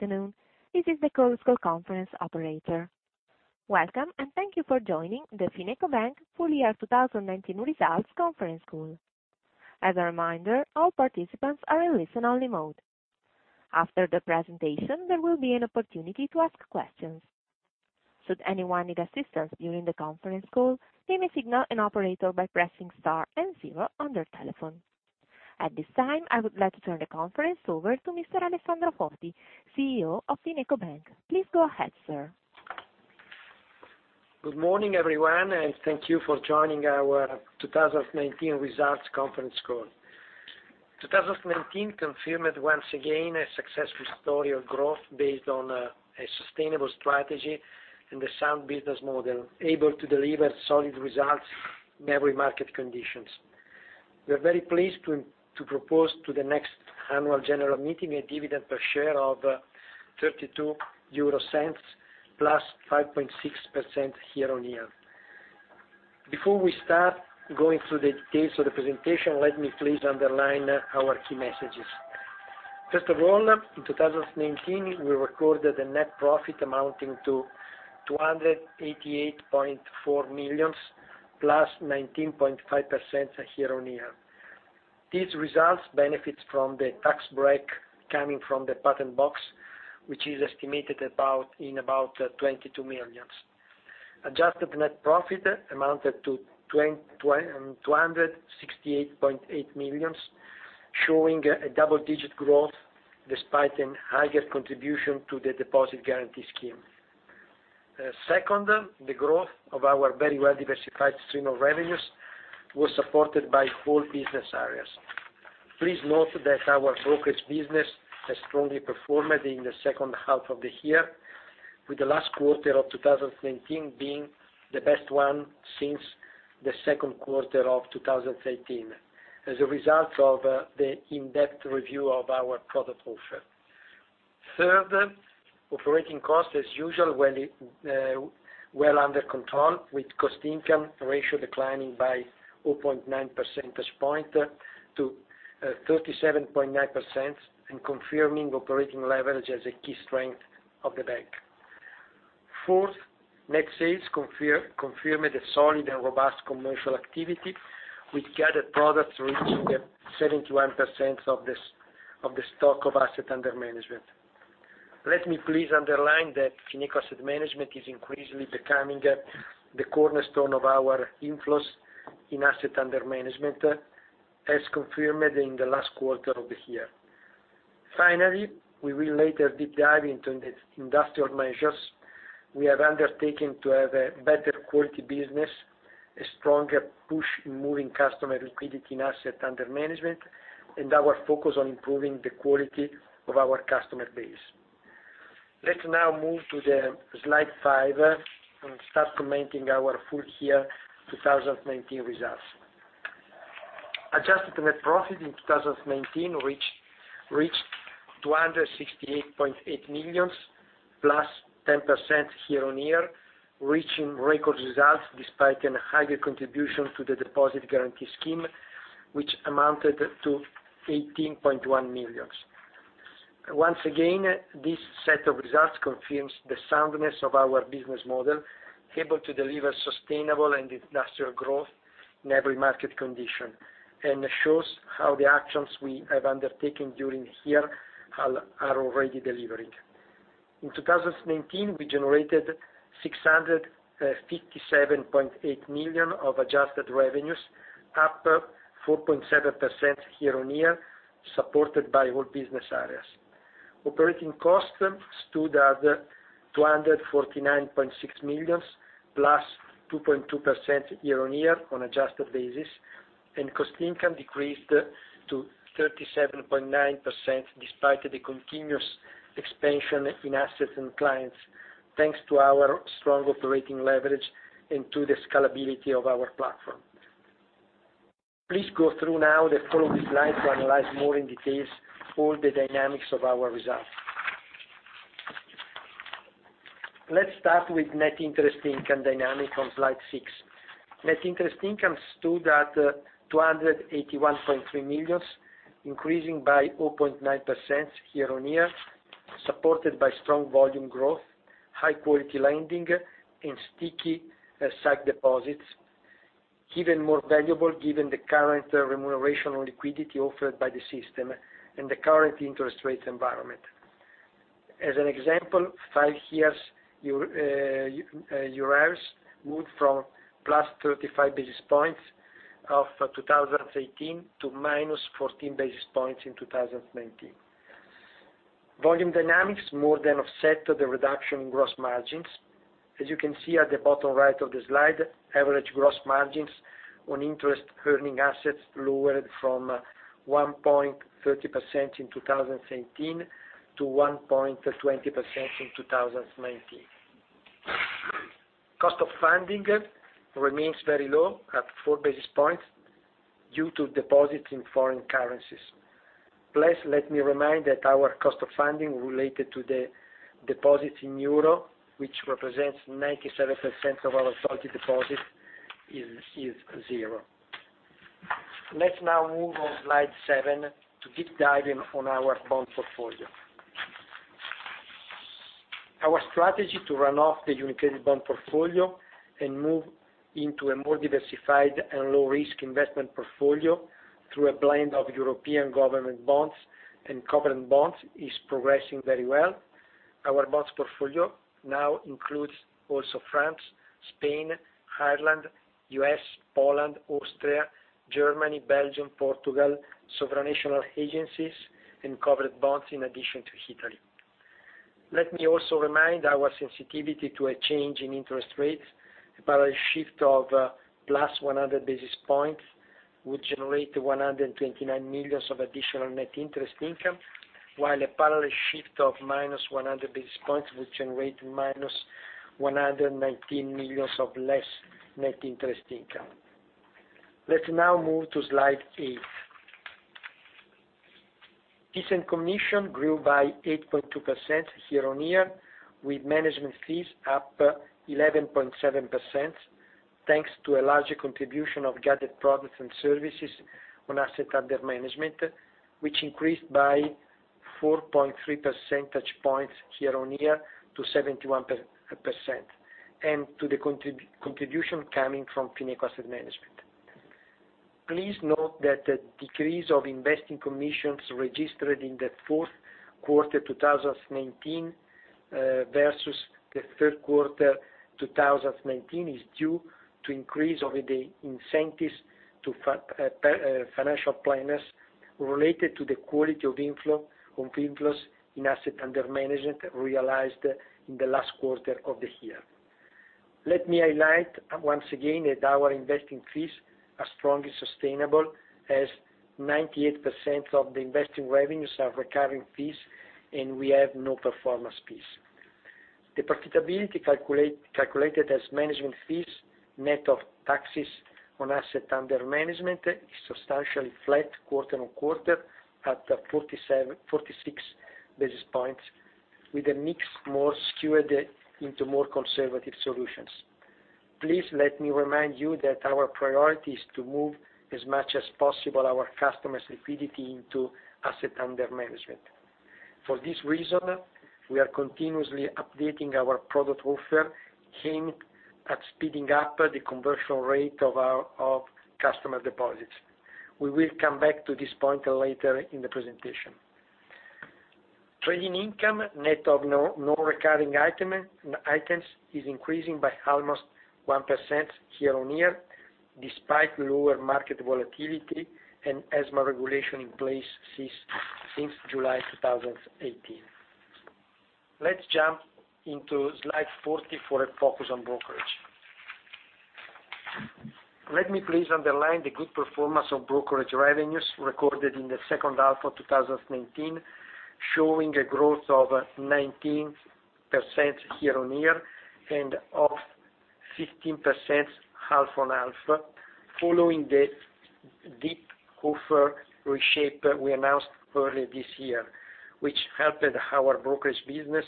Good afternoon. This is the Chorus Call conference operator. Welcome, thank you for joining the FinecoBank Full Year 2019 results conference call. As a reminder, all participants are in listen-only mode. After the presentation, there will be an opportunity to ask questions. Should anyone need assistance during the conference call, they may signal an operator by pressing star and zero on their telephone. At this time, I would like to turn the conference over to Mr. Alessandro Foti, CEO of FinecoBank. Please go ahead, sir. Good morning, everyone, and thank you for joining our 2019 results conference call. 2019 confirmed, once again, a successful story of growth based on a sustainable strategy and a sound business model, able to deliver solid results in every market condition. We are very pleased to propose to the next annual general meeting a dividend per share of 0.32, +5.6% year-on-year. Before we start going through the details of the presentation, let me please underline our key messages. First of all, in 2019, we recorded a net profit amounting to 288.4 million, +19.5% year-on-year. These results benefit from the tax break coming from the patent box, which is estimated in about 22 million. Adjusted net profit amounted to 268.8 million, showing a double-digit growth despite a higher contribution to the deposit guarantee scheme. Second, the growth of our very well-diversified stream of revenues was supported by all business areas. Please note that our brokers business has strongly performed in the second half of the year, with the last quarter of 2019 being the best one since the Q2 of 2018, as a result of the in-depth review of our product offer. Third, operating costs, as usual, were under control, with cost-to-income ratio declining by 0.9 percentage point to 37.9%, and confirming operating leverage as a key strength of the bank. Fourth, net sales confirmed a solid and robust commercial activity, with gathered products reaching 71% of the stock of assets under management. Let me please underline that Fineco Asset Management is increasingly becoming the cornerstone of our inflows in assets under management, as confirmed in the last quarter of the year. Finally, we will later deep dive into the industrial measures we have undertaken to have a better quality business, a stronger push in moving customer liquidity in assets under management, and our focus on improving the quality of our customer base. Let's now move to the slide five and start commenting our full year 2019 results. Adjusted net profit in 2019 reached EUR 268.8 million, +10% year-on-year, reaching record results despite a higher contribution to the deposit guarantee scheme, which amounted to 18.1 million. Once again, this set of results confirms the soundness of our business model, able to deliver sustainable and industrial growth in every market condition, and shows how the actions we have undertaken during the year are already delivering. In 2019, we generated 657.8 million of adjusted revenues, up 4.7% year-on-year, supported by all business areas. Operating costs stood at 249.6 million, +2.2% year-on-year on adjusted basis. Cost income decreased to 37.9%, despite the continuous expansion in assets and clients, thanks to our strong operating leverage and to the scalability of our platform. Please go through now the following slides to analyze more in details all the dynamics of our results. Let's start with net interest income dynamic on slide six. Net interest income stood at 281.3 million, increasing by 0.9% year-on-year, supported by strong volume growth, high-quality lending, and sticky sight deposits, even more valuable given the current remuneration on liquidity offered by the system and the current interest rate environment. As an example, five years [unintelligible] moved from +35 basis points of 2018 to -14 basis points in 2019. Volume dynamics more than offset the reduction in gross margins. As you can see at the bottom right of the slide, average gross margins on interest-earning assets lowered from 1.30% in 2017 to 1.20% in 2019. Cost of funding remains very low, at four basis points due to deposits in foreign currencies. Please let me remind that our cost of funding related to the deposits in euro, which represents 97% of our total deposits, is zero. Let's now move on slide seven to deep dive in on our bond portfolio. Our strategy to run off the UniCredit bond portfolio and move into a more diversified and low-risk investment portfolio through a blend of European government bonds and covered bonds is progressing very well. Our bonds portfolio now includes also France, Spain, Ireland, U.S., Poland, Austria, Germany, Belgium, Portugal, sovereign national agencies, and covered bonds in addition to Italy. Let me also remind our sensitivity to a change in interest rates. A parallel shift of +100 basis points would generate 129 million of additional net interest income, while a parallel shift of -100 basis points would generate -119 million of less net interest income. Let's now move to slide eight. Fees and commission grew by 8.2% year-on-year, with management fees up 11.7%, thanks to a larger contribution of gathered products and services on assets under management, which increased by 4.3 percentage points year-on-year to 71%, and to the contribution coming from Fineco Asset Management. Please note that the decrease of investing commissions registered in the Q4 2019, versus the Q3 2019, is due to increase over the incentives to financial planners related to the quality of inflows in assets under management realized in the last quarter of the year. Let me highlight once again that our investing fees are strongly sustainable, as 98% of the investing revenues are recurring fees, and we have no performance fees. The profitability calculated as management fees, net of taxes on assets under management, is substantially flat quarter-on-quarter at 46 basis points, with a mix more skewed into more conservative solutions. Please let me remind you that our priority is to move as much as possible our customers' liquidity into assets under management. For this reason, we are continuously updating our product offer, aimed at speeding up the conversion rate of customer deposits. We will come back to this point later in the presentation. Trading income, net of non-recurring items, is increasing by almost 1% year-on-year, despite lower market volatility and as more regulation in place since July 2018. Let's jump into slide 40 for a focus on brokerage. Let me please underline the good performance of brokerage revenues recorded in the second half of 2019, showing a growth of 19% year-on-year and of 15% half-on-half, following the deep offer reshape we announced early this year, which helped our brokerage business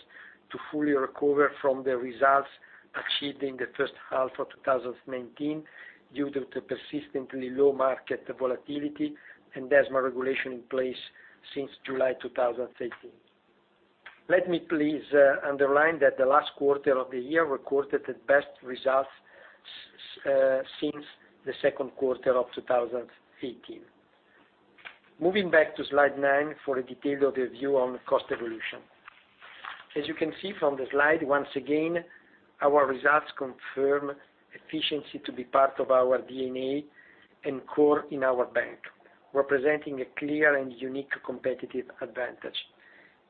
to fully recover from the results achieved in the first half of 2019 due to the persistently low market volatility and as more regulation in place since July 2018. Let me please underline that the last quarter of the year recorded the best results since the Q2 of 2018. Moving back to slide nine for a detailed review on cost evolution. As you can see from the slide, once again, our results confirm efficiency to be part of our DNA and core in our bank, representing a clear and unique competitive advantage.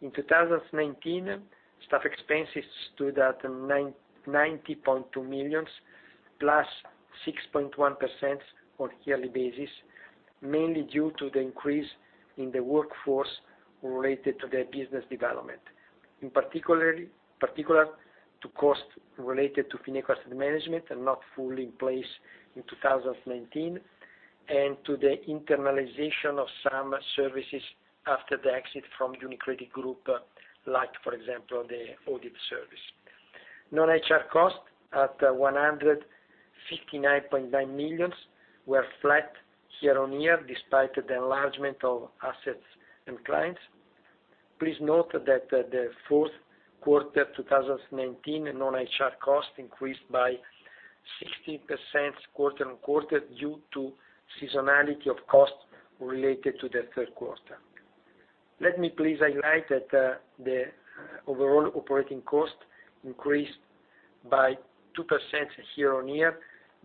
In 2019, staff expenses stood at 90.2 million, +6.1% on a yearly basis, mainly due to the increase in the workforce related to the business development. In particular, to cost related to Fineco Asset Management and not fully in place in 2019, and to the internalization of some services after the exit from UniCredit Group, like, for example, the audit service. Non-HR costs at 159.9 million were flat year-on-year, despite the enlargement of assets and clients. Please note that the Q4 2019 non-HR cost increased by 16% quarter-on-quarter due to seasonality of costs related to the Q3. Let me please highlight that the overall operating cost increased by 2% year-on-year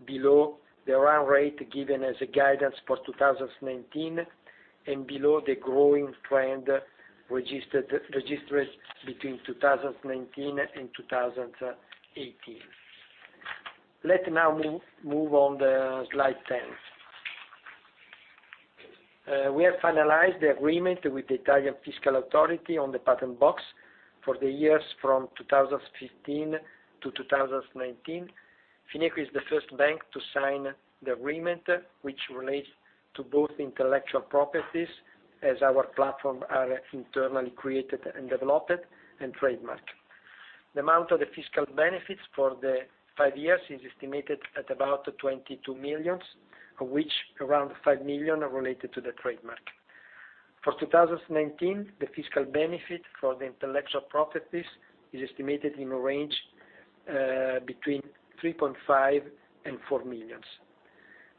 below the run rate given as a guidance for 2019 and below the growing trend registered between 2019 and 2018. Let now move on to slide 10. We have finalized the agreement with the Italian revenue agency on the patent box for the years from 2015-2019. Fineco is the first bank to sign the agreement, which relates to both intellectual properties, as our platform are internally created and developed, and trademarked. The amount of the fiscal benefits for the five years is estimated at about 22 million, of which around 5 million are related to the trademark. For 2019, the fiscal benefit for the intellectual properties is estimated in a range between 3.5 million and 4 million.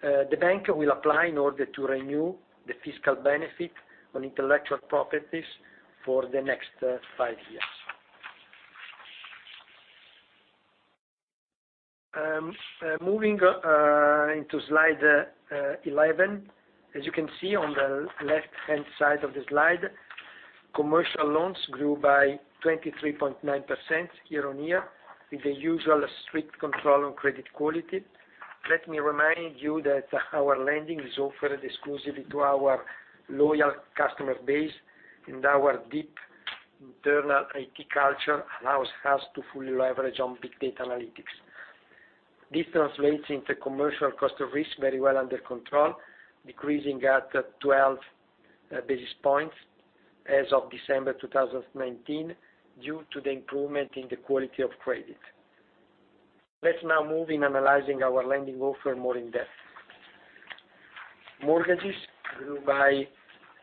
The bank will apply in order to renew the fiscal benefit on intellectual properties for the next five years. Moving into slide 11. As you can see on the left-hand side of the slide, commercial loans grew by 23.9% year-on-year, with the usual strict control on credit quality. Let me remind you that our lending is offered exclusively to our loyal customer base and our deep internal IT culture allows us to fully leverage on big data analytics. This translates into commercial Cost of Risk very well under control, decreasing at 12 basis points as of December 2019, due to the improvement in the quality of credit. Let's now move in analyzing our lending offer more in-depth. Mortgages grew by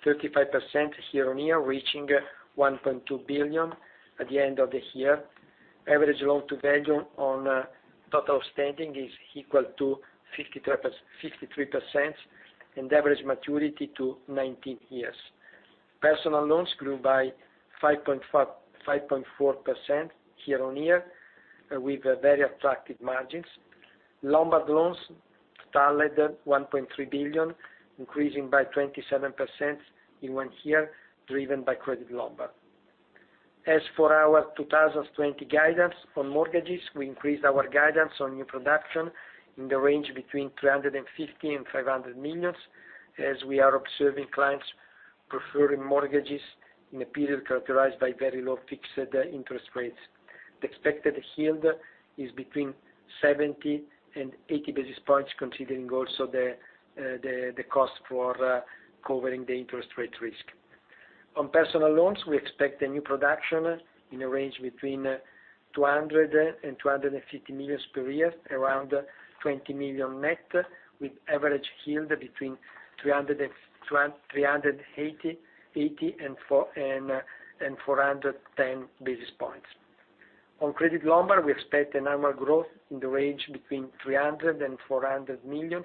35% year-on-year, reaching 1.2 billion at the end of the year. Average Loan-to-Value on total standing is equal to 53%. Average maturity to 19 years. Personal loans grew by 5.4% year-on-year with very attractive margins. Lombard loans totaled 1.3 billion, increasing by 27% in one year, driven by Credit Lombard. As for our 2020 guidance on mortgages, we increased our guidance on new production in the range between 350 million and 500 million, as we are observing clients preferring mortgages in a period characterized by very low fixed interest rates. The expected yield is between 70 and 80 basis points, considering also the cost for covering the interest rate risk. On personal loans, we expect the new production in a range between 200 million and 250 million per year, around 20 million net, with average yield between 380 and 410 basis points. On Credit Lombard, we expect an annual growth in the range between 300 million and 400 million,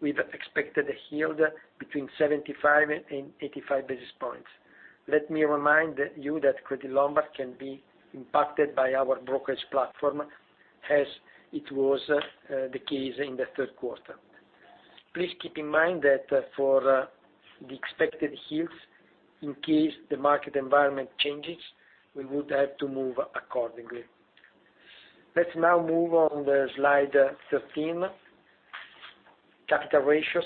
with expected yield between 75 and 85 basis points. Let me remind you that Credit Lombard can be impacted by our brokerage platform as it was the case in the Q3. Please keep in mind that for the expected yields, in case the market environment changes, we would have to move accordingly. Let's now move on to slide 13, capital ratios,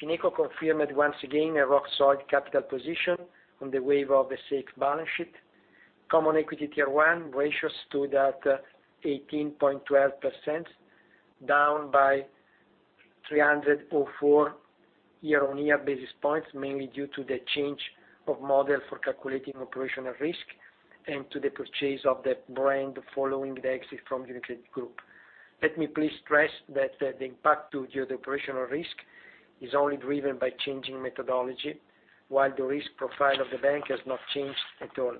Fineco confirmed once again a rock-solid capital position on the wave of a safe balance sheet. Common Equity Tier 1 ratios stood at 18.12%, down by 304 year-on-year basis points, mainly due to the change of model for calculating operational risk and to the purchase of the brand following the exit from UniCredit Group. Let me please stress that the impact to the operational risk is only driven by changing methodology, while the risk profile of the bank has not changed at all.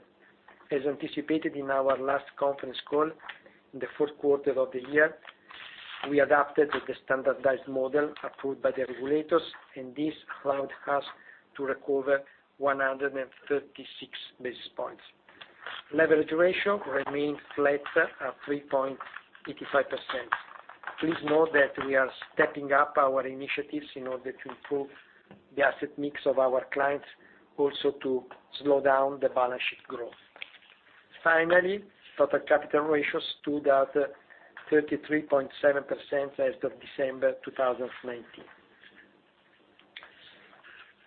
As anticipated in our last conference call in the Q4 of the year, we adapted the standardized model approved by the regulators, and this allowed us to recover 136 basis points. Leverage ratio remained flat at 3.85%. Please note that we are stepping up our initiatives in order to improve the asset mix of our clients, also to slow down the balance sheet growth. Finally, total capital ratio stood at 33.7% as of December 2019.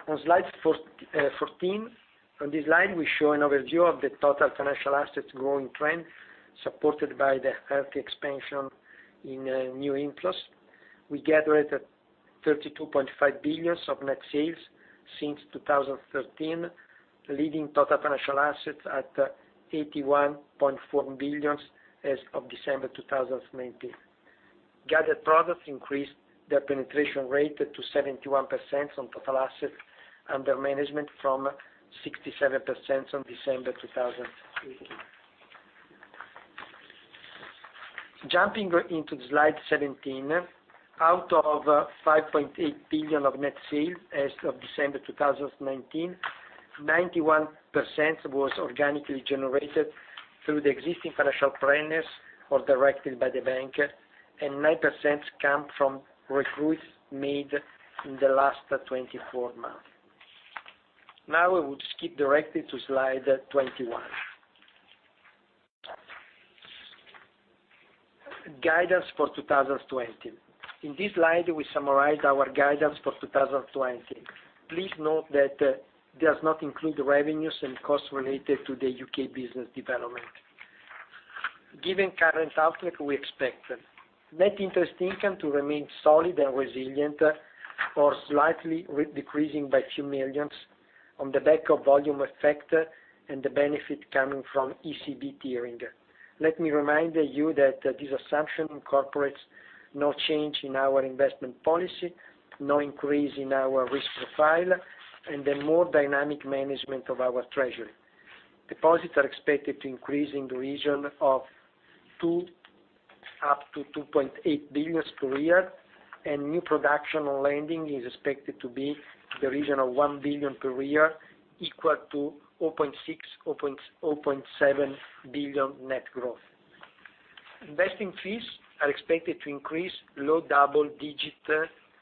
On slide 14. On this slide, we show an overview of the total financial assets growing trend, supported by the healthy expansion in new inflows. We gathered 32.5 billion of net sales since 2013, leaving total financial assets at 81.4 billion as of December 2019. Gathered products increased their penetration rate to 71% on total assets under management from 67% on December 2018. Jumping into slide 17, out of 5.8 billion of net sales as of December 2019, 91% was organically generated through the existing Financial Advisors or directly by the bank, and 9% came from recruits made in the last 24 months. We will skip directly to slide 21. Guidance for 2020. In this slide, we summarize our guidance for 2020. Please note that it does not include the revenues and costs related to the U.K. business development. Given current outlook, we expect net interest income to remain solid and resilient or slightly decreasing by a few million on the back of volume effect and the benefit coming from ECB tiering. Let me remind you that this assumption incorporates no change in our investment policy, no increase in our risk profile, and a more dynamic management of our treasury. Deposits are expected to increase in the region of 2 billion-2.8 billion per year, and new production on lending is expected to be in the region of 1 billion per year, equal to 0.6 billion-0.7 billion net growth. Investing fees are expected to increase low double digits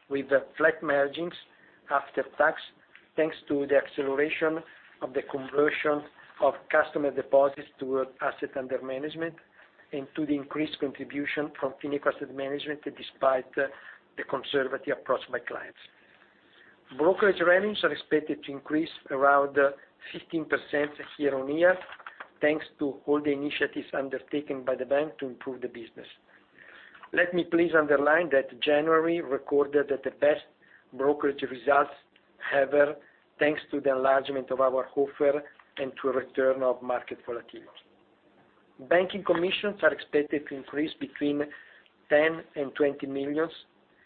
with flat margins after tax, thanks to the acceleration of the conversion of customer deposits to asset under management and to the increased contribution from Fineco Asset Management, despite the conservative approach by clients. Brokerage revenues are expected to increase around 15% year-on-year, thanks to all the initiatives undertaken by the bank to improve the business. Let me please underline that January recorded the best brokerage results ever, thanks to the enlargement of our offer and to a return of market volatility. Banking commissions are expected to increase between 10 million and 20 million.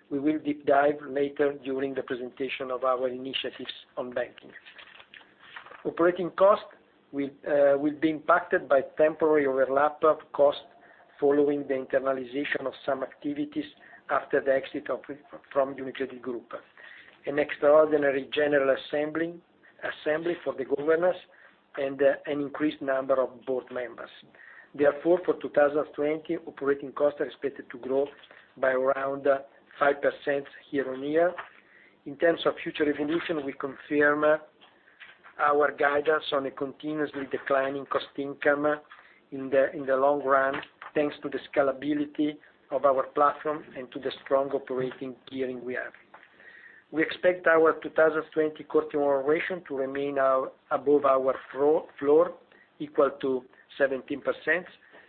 We will deep dive later during the presentation of our initiatives on banking. Operating costs will be impacted by temporary overlap of costs following the internalization of some activities after the exit from UniCredit Group, an extraordinary general assembly for the governors, and an increased number of board members, therefore 2020, operating costs are expected to grow by around 5% year-on-year. In terms of future evolution, we confirm our guidance on a continuously declining cost income in the long run, thanks to the scalability of our platform and to the strong operating gearing we have. We expect our 2020 cost income to remain above our floor, equal to 17%,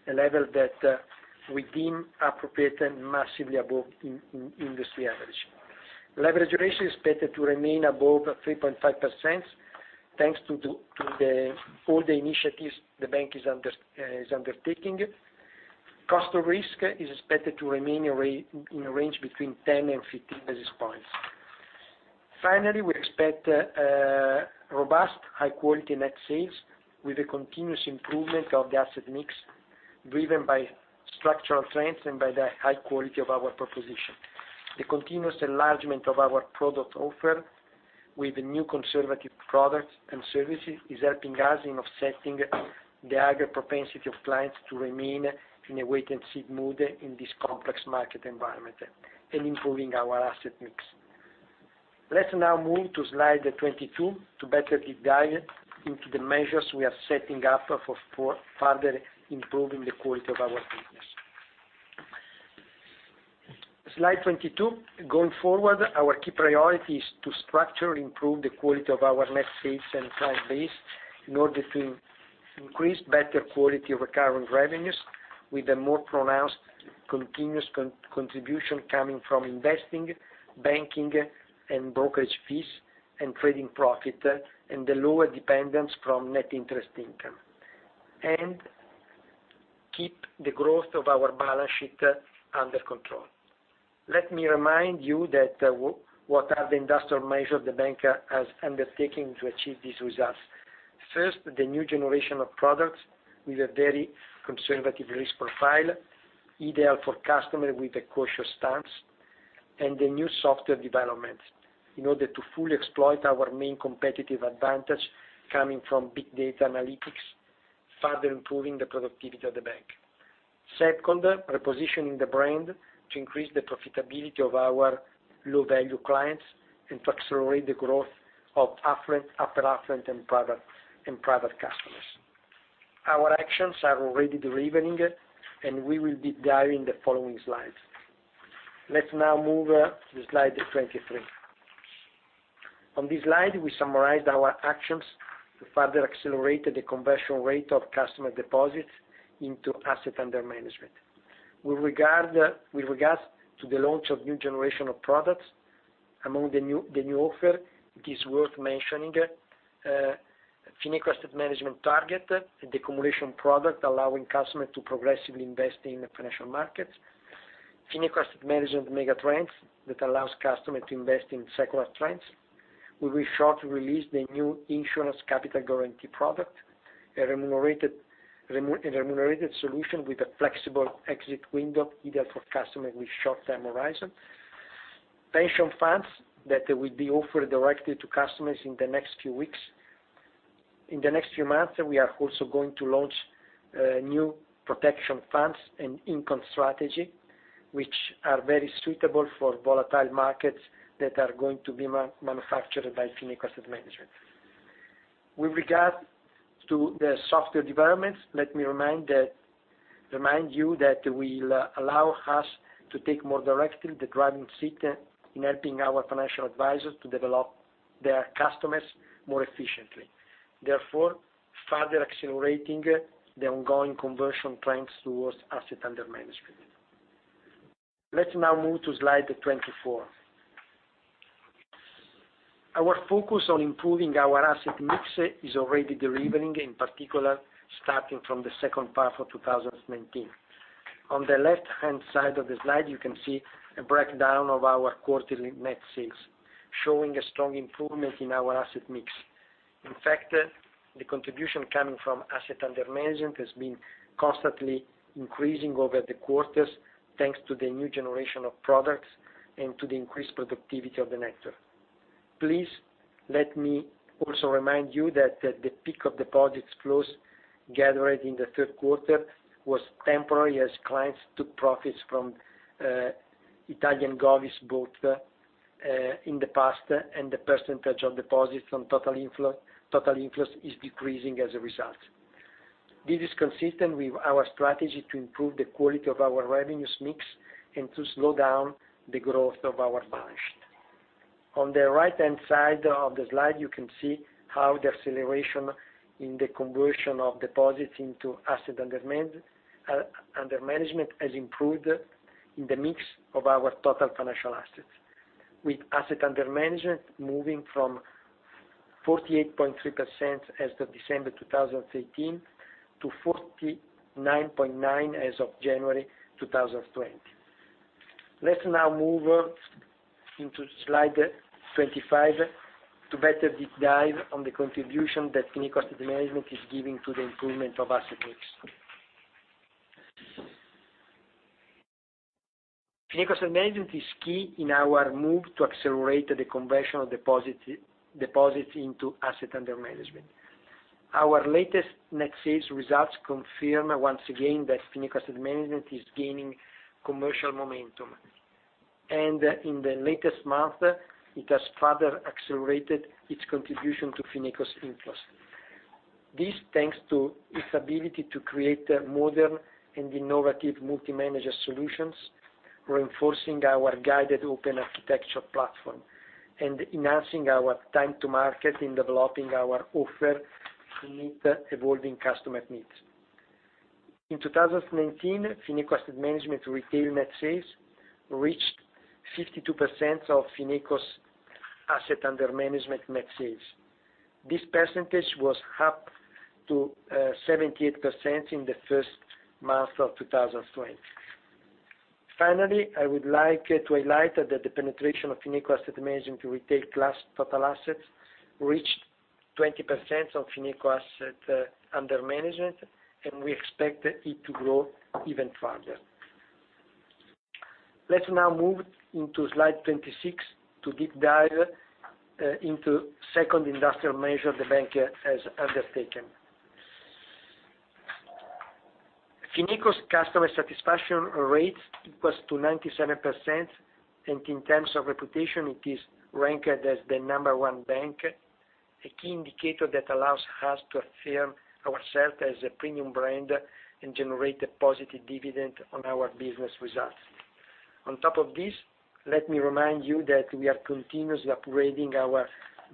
a level that we deem appropriate and massively above industry average. Leverage ratio is expected to remain above 3.5%, thanks to all the initiatives the bank is undertaking. Cost of Risk is expected to remain in a range between 10 and 15 basis points. Finally, we expect robust, high-quality net sales with a continuous improvement of the asset mix, driven by structural strengths and by the high quality of our proposition. The continuous enlargement of our product offer with new conservative products and services is helping us in offsetting the higher propensity of clients to remain in a wait-and-see mood in this complex market environment and improving our asset mix. Let's now move to slide 22 to better deep dive into the measures we are setting up for further improving the quality of our business. Slide 22, going forward, our key priority is to structure, improve the quality of our net sales and client base in order to increase better quality of recurrent revenues with a more pronounced continuous contribution coming from investing, banking, and brokerage fees and trading profit, and the lower dependence from net interest income. Keep the growth of our balance sheet under control. Let me remind you that what are the industrial measures the bank has undertaken to achieve these results. First, the new generation of products with a very conservative risk profile, ideal for customers with a cautious stance, and the new software development in order to fully exploit our main competitive advantage coming from big data analytics, further improving the productivity of the bank. Second, repositioning the brand to increase the profitability of our low-value clients and to accelerate the growth of affluent, upper affluent, and private customers. Our actions are already delivering, and we will deep dive in the following slides. Let's now move to slide 23. On this slide, we summarized our actions to further accelerate the conversion rate of customer deposits into assets under management. With regards to the launch of new generation of products, among the new offer, it is worth mentioning Fineco Asset Management target the accumulation product allowing customers to progressively invest in the financial markets. Fineco Asset Management Megatrends that allows customers to invest in secular trends. We will shortly release the new insurance capital guarantee product, a remunerated solution with a flexible exit window ideal for customers with short-term horizon. Pension funds that will be offered directly to customers in the next few weeks. In the next few months, we are also going to launch new protection funds and income strategy, which are very suitable for volatile markets that are going to be manufactured by Fineco Asset Management. With regard to the software developments, let me remind you that will allow us to take more directly the driving seat in helping our financial advisors to develop their customers more efficiently, therefore, further accelerating the ongoing conversion trends towards assets under management. Let's now move to slide 24. Our focus on improving our asset mix is already delivering, in particular, starting from the second half of 2019. On the left-hand side of the slide, you can see a breakdown of our quarterly net sales, showing a strong improvement in our asset mix. In fact, the contribution coming from assets under management has been constantly increasing over the quarters, thanks to the new generation of products and to the increased productivity of the network. Please let me also remind you that the peak of deposits flows gathered in the Q3 was temporary as clients took profits from Italian govies both in the past and the percentage of deposits on total inflows is decreasing as a result. This is consistent with our strategy to improve the quality of our revenues mix and to slow down the growth of our balance sheet. On the right-hand side of the slide, you can see how the acceleration in the conversion of deposits into assets under management has improved in the mix of our total financial assets. With assets under management moving from 48.3% as of December 2018 to 49.9% as of January 2020. Let's now move into slide 25 to better deep dive on the contribution that Fineco Asset Management is giving to the improvement of asset mix. Fineco Asset Management is key in our move to accelerate the conversion of deposits into assets under management. Our latest net sales results confirm once again that Fineco Asset Management is gaining commercial momentum, and in the latest month, it has further accelerated its contribution to Fineco's inflows. This, thanks to its ability to create modern and innovative multi-manager solutions, reinforcing our guided open architecture platform and enhancing our time to market in developing our offer to meet evolving customer needs. In 2019, Fineco Asset Management retail net sales reached 52% of Fineco's assets under management net sales. This percentage was up to 78% in the first month of 2020. Finally, I would like to highlight that the penetration of Fineco Asset Management to retail class total assets reached 20% of Fineco assets under management, and we expect it to grow even further. Let's now move into slide 26 to deep dive into second industrial measure the bank has undertaken. Fineco's customer satisfaction rate equals to 97%, and in terms of reputation, it is ranked as the number one bank, a key indicator that allows us to affirm ourselves as a premium brand and generate a positive dividend on our business results. On top of this, let me remind you that we are continuously upgrading our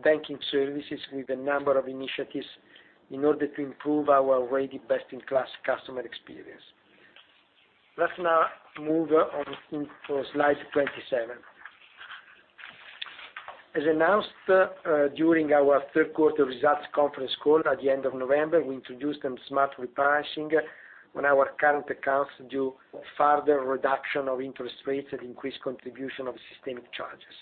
banking services with a number of initiatives in order to improve our already best-in-class customer experience. Let's now move on into slide 27. As announced during our Q3 results conference call at the end of November, we introduced some smart repricing on our current accounts due further reduction of interest rates and increased contribution of systemic charges.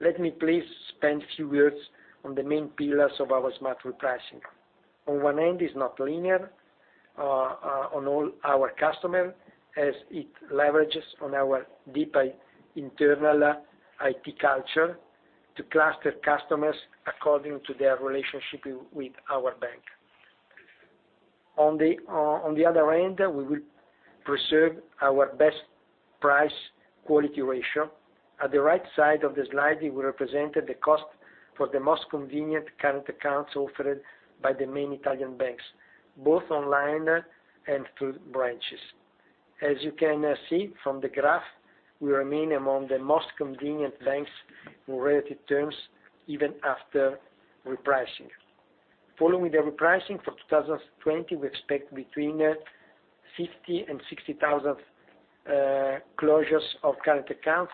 Let me please spend a few words on the main pillars of our smart repricing. On one end, it is not linear on all our customers, as it leverages on our deep internal IT culture to cluster customers according to their relationship with our bank. On the other end, we will preserve our best price-quality ratio. At the right side of the slide, we represented the cost for the most convenient current accounts offered by the main Italian banks, both online and through branches. As you can see from the graph, we remain among the most convenient banks in relative terms, even after repricing. Following the repricing for 2020, we expect between 50,000 and 60,000 closures of current accounts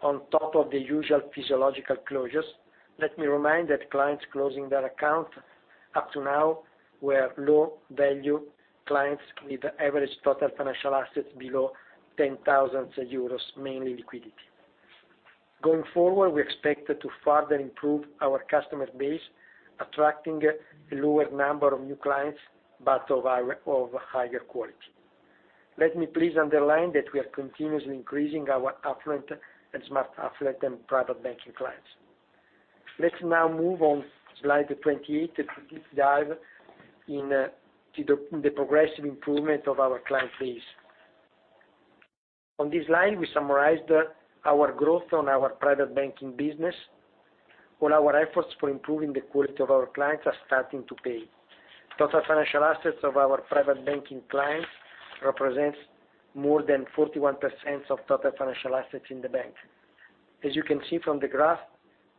on top of the usual physiological closures. Let me remind you that clients closing their accounts up to now were low-value clients with average total financial assets below 10,000 euros, mainly liquidity. Going forward, we expect to further improve our customer base, attracting a lower number of new clients, but of higher quality. Let me please underline that we are continuously increasing our affluent and smart affluent and private banking clients. Let's now move on slide 28 to deep dive into the progressive improvement of our client base. On this slide, we summarized our growth on our private banking business. All our efforts for improving the quality of our clients are starting to pay. Total financial assets of our private banking clients represents more than 41% of total financial assets in the bank. As you can see from the graph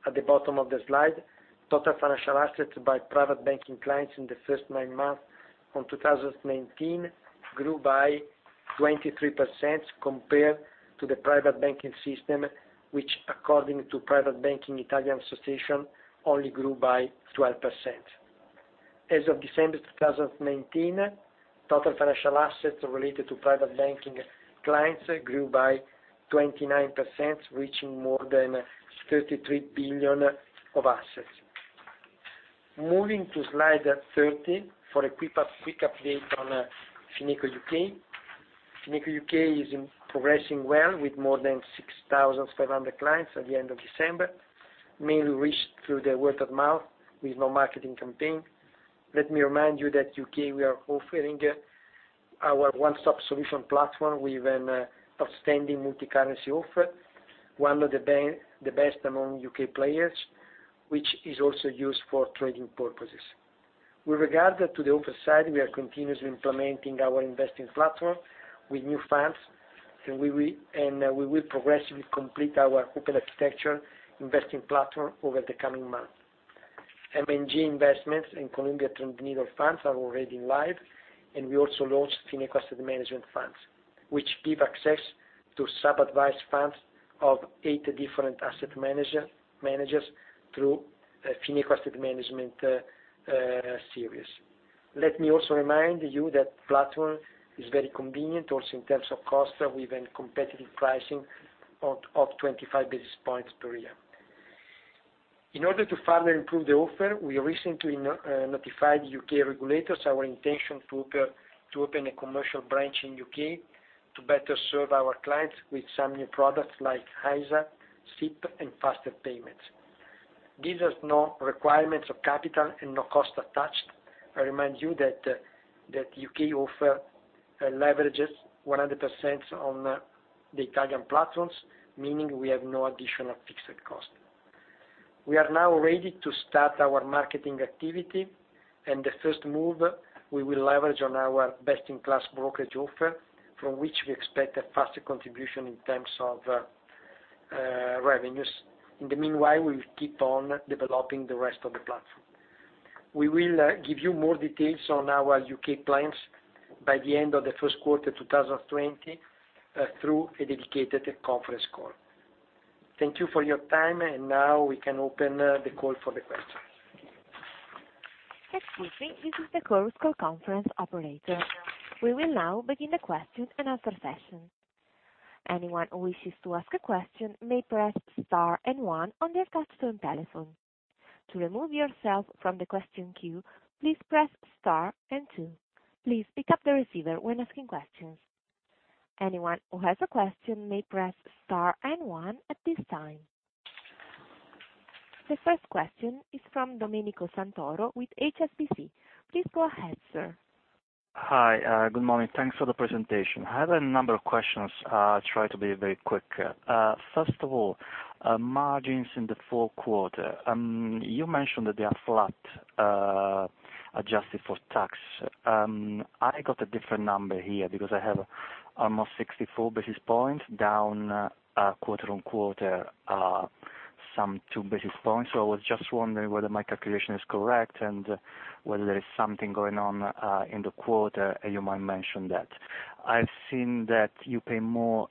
at the bottom of the slide, total financial assets by private banking clients in the first nine months of 2019 grew by 23% compared to the private banking system, which according to Italiana Private Banking Associazione, only grew by 12%. As of December 2019, total financial assets related to private banking clients grew by 29%, reaching more than 33 billion of assets. Moving to slide 13 for a quick update on Fineco U.K. Fineco U.K. is progressing well with more than 6,500 clients at the end of December, mainly reached through the word of mouth with no marketing campaign. Let me remind you that U.K., we are offering our one-stop solution platform with an outstanding multi-currency offer, one of the best among U.K. players, which is also used for trading purposes. With regard to the open side, we are continuously implementing our investing platform with new funds, and we will progressively complete our open architecture investing platform over the coming months. M&G Investments and Columbia Threadneedle funds are already live, we also launched Fineco Asset Management funds, which give access to sub-advised funds of 80 different asset managers through Fineco Asset Management series. Let me also remind you that platform is very convenient also in terms of cost, with a competitive pricing of 25 basis points per year. In order to further improve the offer, we recently notified U.K. regulators our intention to open a commercial branch in U.K. to better serve our clients with some new products like ISA, SIPP, and faster payments. These have no requirements of capital and no cost attached. I remind you that U.K. offer leverages 100% on the Italian platforms, meaning we have no additional fixed cost. We are now ready to start our marketing activity. The first move, we will leverage on our best-in-class brokerage offer, from which we expect a faster contribution in terms of revenues. In the meanwhile, we will keep on developing the rest of the platform. We will give you more details on our U.K. plans by the end of the Q1 2020 through a dedicated conference call. Thank you for your time and now we can open the call for the questions. Excuse me this is the Chorus call conference operator. We will now begin the question and answer session. Anyone who wishes to ask a question may press star and one on their touch-tone telephone. To remove yourself from the question queue, please press star and two. Please pick up the receiver when asking questions. Anyone who has a question may press star and one at this time. The first question is from Domenico Santoro with HSBC. Please go ahead, sir. Hi. Good morning thanks for the presentation i have a number of questions. I'll try to be very quick. First of all, margins in the Q4. You mentioned that they are flat, adjusted for tax. I got a different number here because I have almost 64 basis points down quarter-on-quarter, some two basis points. I was just wondering whether my calculation is correct and whether there is something going on in the quarter, and you might mention that. I've seen that you pay more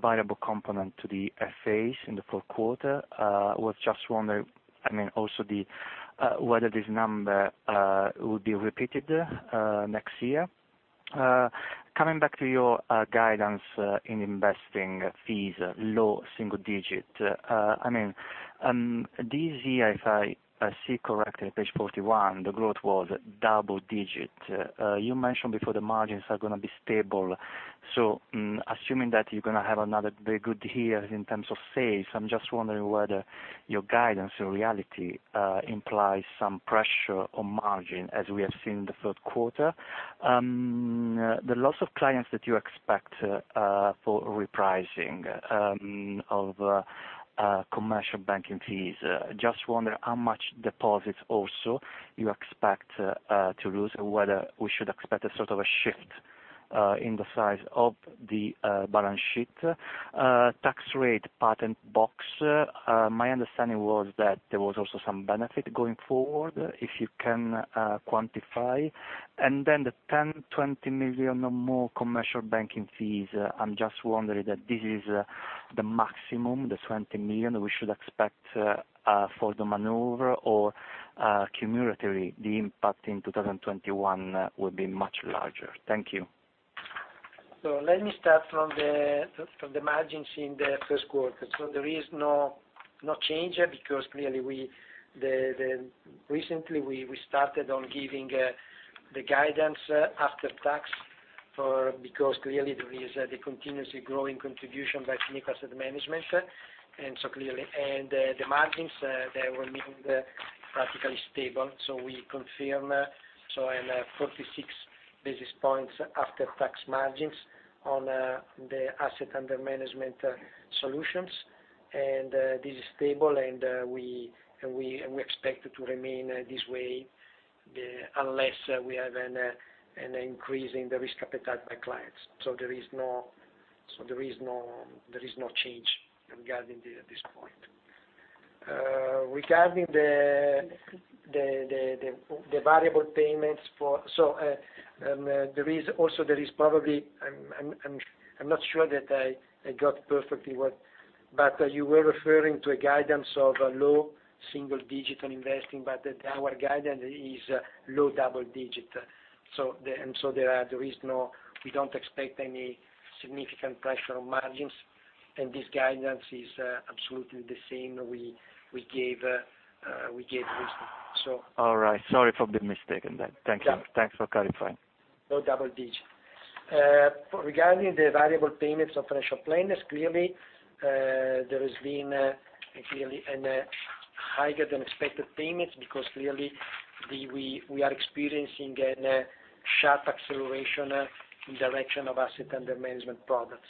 variable component to the FAs in the Q4. I was just wondering whether this number will be repeated next year. Coming back to your guidance in investing fees, low single digit. This year, if I see correctly, page 41, the growth was double digit. You mentioned before the margins are going to be stable. Assuming that you're going to have another very good year in terms of sales, I'm just wondering whether your guidance, your reality implies some pressure on margin, as we have seen in the Q3. The loss of clients that you expect for repricing of commercial banking fees, I just wonder how much deposits also you expect to lose, and whether we should expect a sort of a shift? in the size of the balance sheet. Tax rate patent box, my understanding was that there was also some benefit going forward, if you can quantify. The 10 million-20 million or more commercial banking fees i'm just wondering that this is the maximum, the 20 million we should expect for the maneuver? or cumulatively, the impact in 2021 will be much larger. Thank you. Let me start from the margins in the Q1 there is no change because recently we started on giving the guidance after tax, because clearly there is the continuously growing contribution by Fineco Asset Management. The margins, they will remain practically stable so we confirm 46 basis points after-tax margins on the asset under management solutions. This is stable, and we expect it to remain this way unless we have an increase in the risk appetite by clients. There is no change regarding this point. Regarding the variable payments. I'm not sure that I got perfectly, but you were referring to a guidance of low double-digit. We don't expect any significant pressure on margins, and this guidance is absolutely the same we gave recently. All right sorry for the mistake then. Thank you thanks for clarifying. Low double-digit. Regarding the variable payments of financial planners, clearly, there has been a higher than expected payment because clearly we are experiencing a sharp acceleration in direction of asset under management products.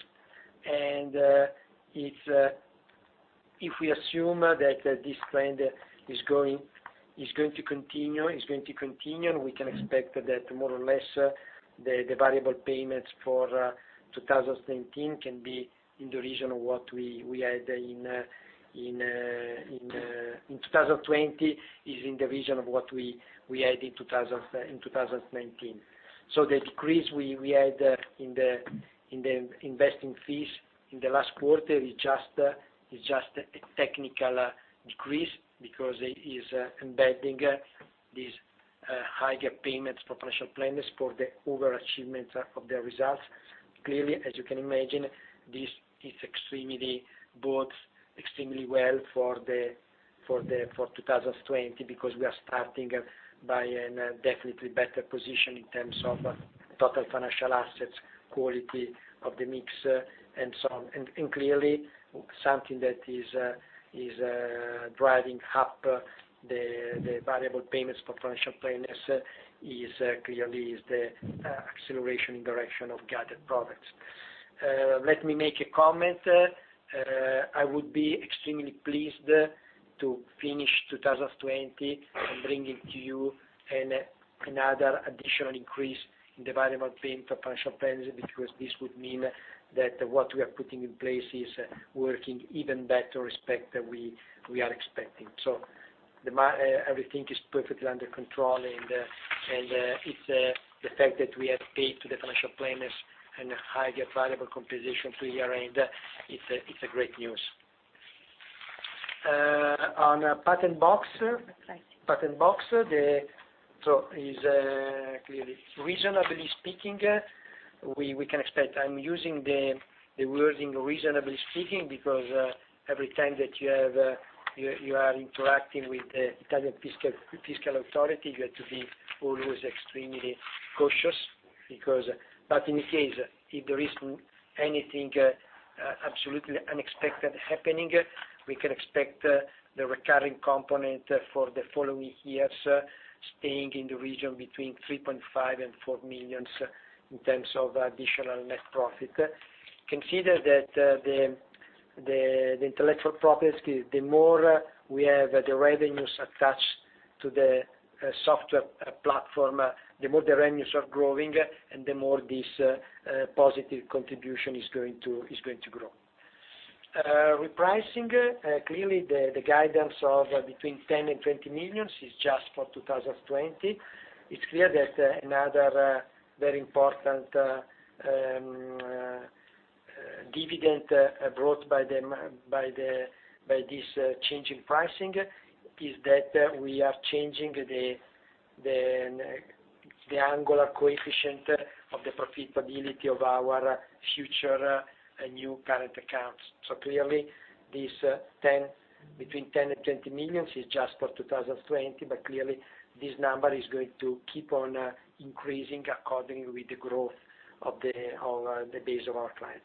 If we assume that this trend is going to continue, we can expect that more or less, the variable payments for 2019 can be in the region of what we had in 2020, is in the region of what we had in 2019. The decrease we had in the investing fees in the last quarter is just a technical decrease because it is embedding these higher payments for financial planners for the over-achievement of their results. Clearly, as you can imagine, this bodes extremely well for 2020 because we are starting by in a definitely better position in terms of total financial assets, quality of the mix, and so on and clearly, something that is driving up the variable payments for financial planners clearly is the acceleration in direction of guided products. Let me make a comment. I would be extremely pleased to finish 2020 and bring it to you in another additional increase in the variable payment for financial planners, because this would mean that what we are putting in place is working even better respect than we are expecting. Everything is perfectly under control, and the fact that we have paid to the financial planners in a higher variable compensation to year-end, it's a great news. Patent box. Reasonably speaking, we can expect, I'm using the wording reasonably speaking because every time that you are interacting with the Italian fiscal authority, you have to be always extremely cautious. In case, if there isn't anything absolutely unexpected happening, we can expect the recurring component for the following years, staying in the region between 3.5 million and 4 million in terms of additional net profit. Consider that the intellectual properties, the more we have the revenues attached to the software platform, the more the revenues are growing, and the more this positive contribution is going to grow. Repricing, clearly, the guidance of between 10 million and 20 million is just for 2020. It's clear that another very important dividend brought by this change in pricing is that we are changing the angular coefficient of the profitability of our future new current accounts so clearly, between 10 million and 20 million is just for 2020, but clearly, this number is going to keep on increasing according with the growth of the base of our clients.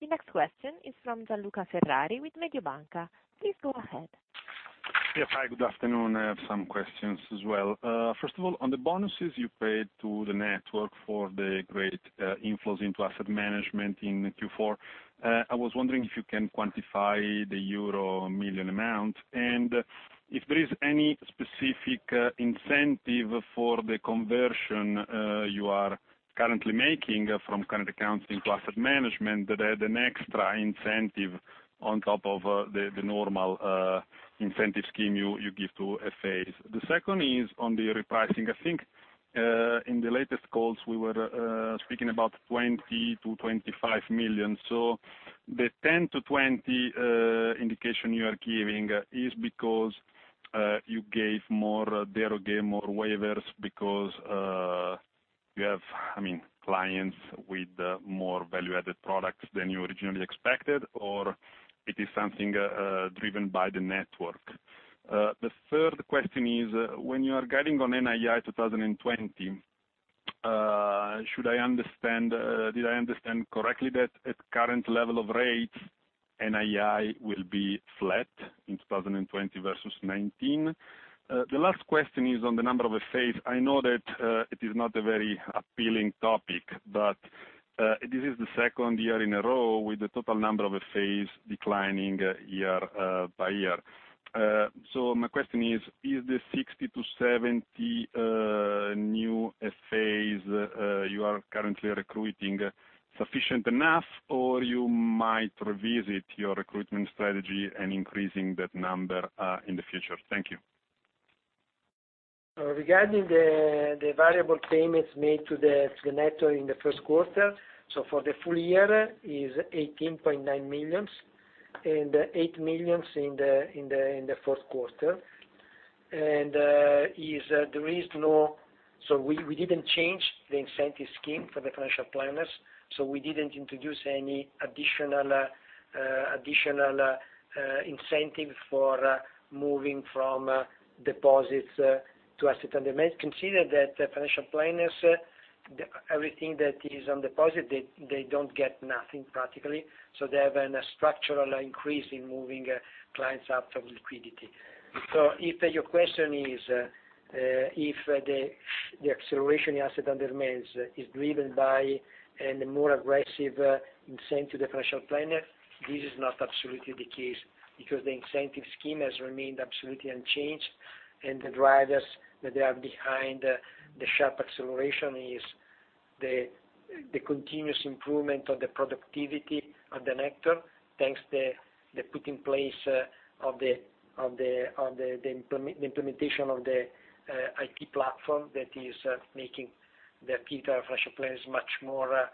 The next question is from Gianluca Ferrari with Mediobanca. Please go ahead. Yeah. Hi, good afternoon i have some questions as well. First of all, on the bonuses you paid to the network for the great inflows into asset management in Q4, I was wondering if you can quantify the euro million amount, and if there is any specific incentive for the conversion you are currently making from current accounts into asset management, an extra incentive on top of the normal incentive scheme you give to FAs the second is on the repricing i think, in the latest calls we were speaking about 20 million-25 million. The 10 million-20 million indication you are giving is because they gave more waivers because you have clients with more value-added products than you originally expected? or it is something driven by the network? The third question is, when you are guiding on NII 2020, did I understand correctly that at current level of rates, NII will be flat in 2020 versus 2019? The last question is on the number of FAs i know that it is not a very appealing topic, but this is the second year in a row with the total number of FAs declining year by year. My question is, is the 60 to 70 new FAs you are currently recruiting sufficient enough, or you might revisit your recruitment strategy and increasing that number in the future? Thank you. Regarding the variable payments made to the net in the Q1, so for the full year is 18.9 million, and 8 million in the Q4. We didn't change the incentive scheme for the financial planners. We didn't introduce any additional incentive for moving from deposits to asset under management consider that financial planners, everything that is on deposit, they don't get nothing practically, so they have a structural increase in moving clients out of liquidity. If your question is if the acceleration in asset under management is driven by a more aggressive incentive to the financial planner, this is not absolutely the case, because the incentive scheme has remained absolutely unchanged. The drivers that are behind the sharp acceleration is the continuous improvement of the productivity of the network, thanks to the implementation of the IT platform that is making the financial planners much more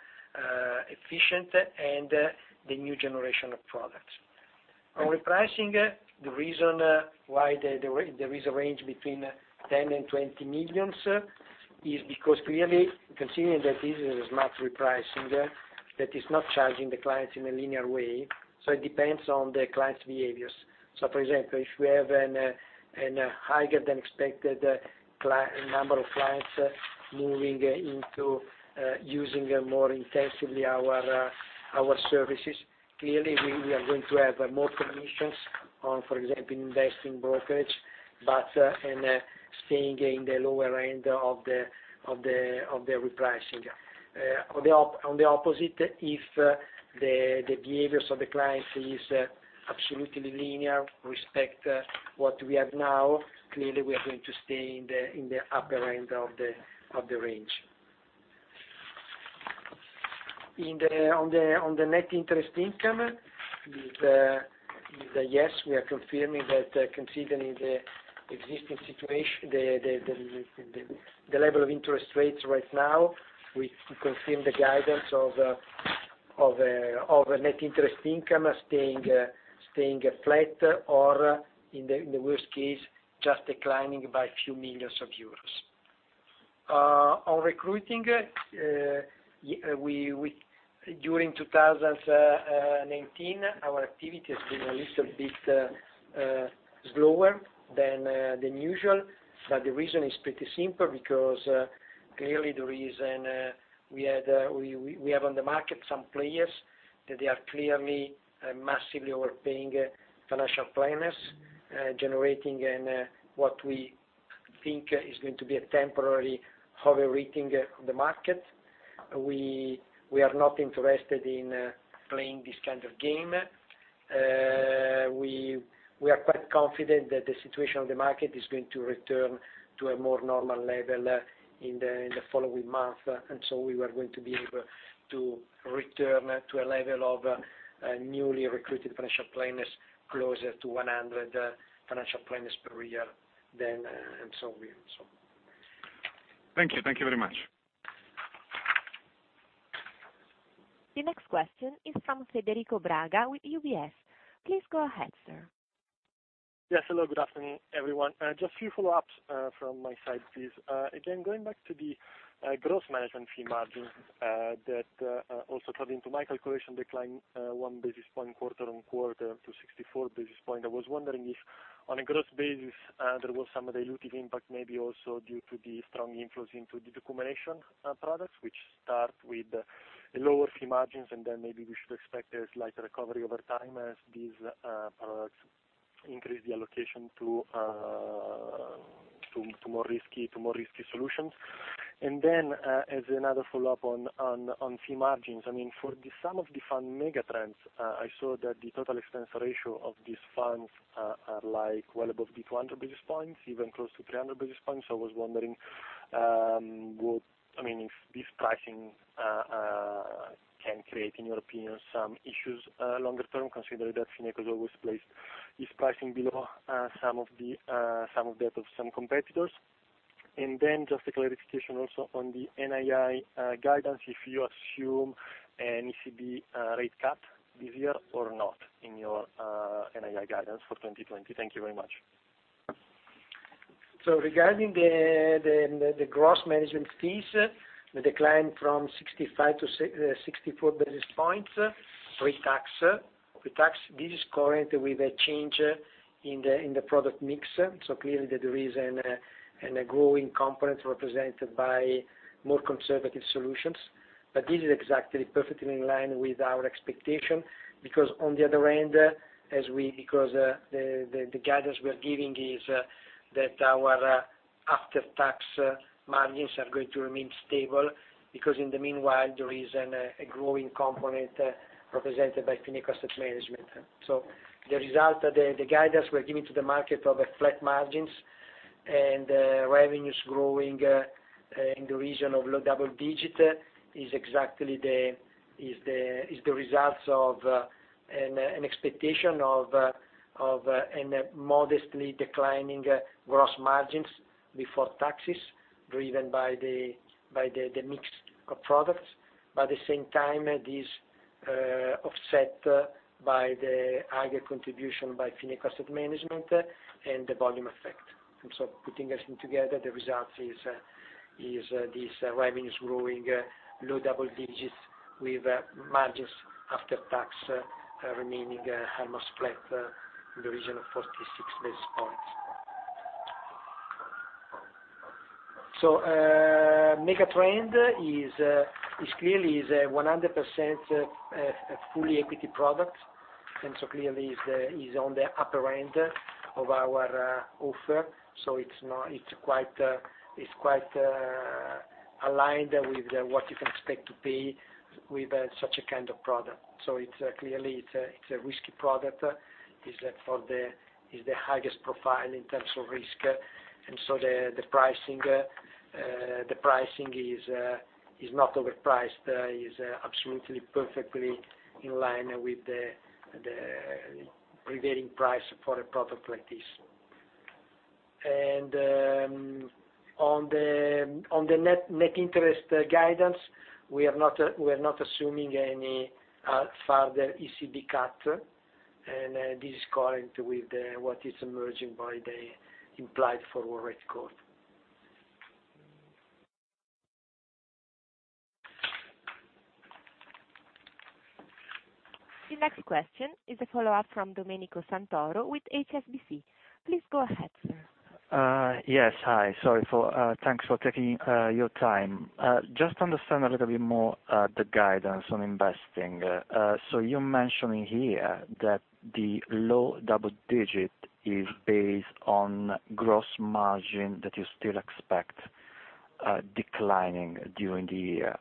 efficient, and the new generation of products. On repricing, the reason why there is a range between 10 million and 20 million is because clearly considering that this is not repricing, that is not charging the clients in a linear way, so it depends on the clients' behaviors. For example, if we have a higher than expected number of clients moving into using more intensively our services, clearly we are going to have more commissions on, for example, investing brokerage, but staying in the lower end of the repricing. On the opposite, if the behaviors of the clients is absolutely linear with respect what we have now, clearly we are going to stay in the upper end of the range. On the net interest income, yes, we are confirming that considering the level of interest rates right now, we confirm the guidance of net interest income staying flat or, in the worst case, just declining by few millions of EUR. On recruiting, during 2019, our activity has been a little bit slower than usual. The reason is pretty simple because clearly the reason we have on the market some players that they are clearly massively overpaying financial planners, generating what we think is going to be a temporary overheating of the market. We are not interested in playing this kind of game. We are quite confident that the situation of the market is going to return to a more normal level in the following month. We are going to be able to return to a level of newly recruited financial planners, closer to 100 financial planners per year. Thank you. Thank you very much. The next question is from Federico Braga with UBS. Please go ahead, sir. Yes hello good afternoon, everyone. Just few follow-ups from my side, please. Going back to the gross management fee margin that also fed into my calculation decline one basis point quarter-on-quarter to 64 basis points i was wondering if on a gross basis, there was some dilutive impact, maybe also due to the strong inflows into the decumulation products, which start with lower fee margins, maybe we should expect a slight recovery over time as these products increase the allocation to more risky solutions. As another follow-up on fee margins, for the sum of the FAM Megatrends, I saw that the total expense ratio of these funds are well above the 200 basis points, even close to 300 basis points i was wondering if this pricing can create, in your opinion, some issues longer term, considering that Fineco has always placed its pricing below some of that of some competitors. Then just a clarification also on the NII guidance, if you assume an ECB rate cut this year or not in your NII guidance for 2020? thank you very much. Regarding the gross management fees, the decline from 65 to 64 basis points pre-tax. Pre-tax, this is currently with a change in the product mix so clearly there is a growing component represented by more conservative solutions. This is exactly perfectly in line with our expectation, because on the other end, because the guidance we're giving is that our after-tax margins are going to remain stable because in the meanwhile there is a growing component represented by Fineco Asset Management. The result, the guidance we're giving to the market of flat margins and revenues growing in the region of low double digit is the results of an expectation of a modestly declining gross margins before taxes driven by the mix of products. At the same time, this offset by the higher contribution by Fineco Asset Management and the volume effect. Putting everything together, the results is this revenues growing low double digits with margins after tax remaining almost flat in the region of 46 basis points. Megatrend is clearly 100% fully equity product, clearly is on the upper end of our offer. It's quite aligned with what you can expect to pay with such a kind of product. Clearly, it's a risky product. It is the highest profile in terms of risk. The pricing is not overpriced, is absolutely perfectly in line with the prevailing price for a product like this. On the net interest guidance, we're not assuming any further ECB cut, and this is current with what is emerging by the implied forward rate curve. The next question is a follow-up from Domenico Santoro with HSBC. Please go ahead, sir. Yes. Hi. Thanks for taking your time. Just to understand a little bit more the guidance on investing. You're mentioning here that the low double-digit is based on gross margin that you still expect declining during the year.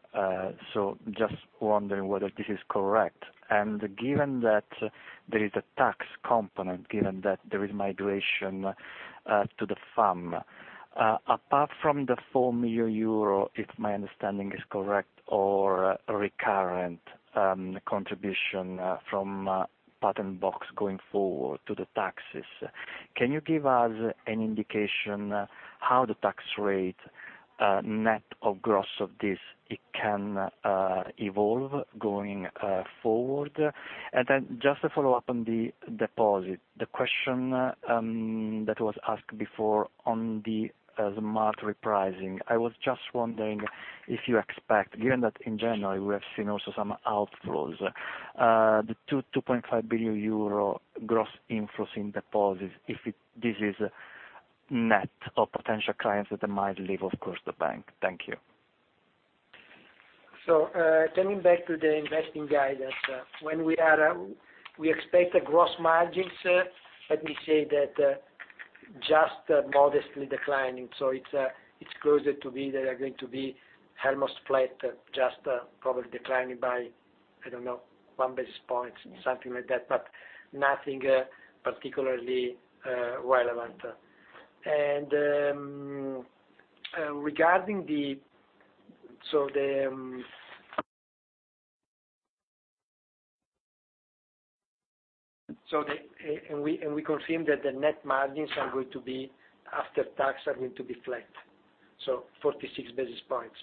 Just wondering whether this is correct. Given that there is a tax component, given that there is migration to the FAM, apart from the 4 million euro, if my understanding is correct, or recurrent contribution from patent box going forward to the taxes, can you give us an indication how the tax rate, net or gross of this, can evolve going forward? Just to follow up on the deposit, the question that was asked before on the smart repricing. I was just wondering if you expect, given that in January, we have seen also some outflows, the 2.5 billion euro gross inflows in deposits, if this is net of potential clients that might leave, of course, the bank. Thank you. Coming back to the investing guidance. When we expect the gross margins, let me say that just modestly declining. They are going to be almost flat, just probably declining by, I don't know, one basis point, something like that, but nothing particularly relevant. We confirm that the net margins after tax are going to be flat so, 46 basis points.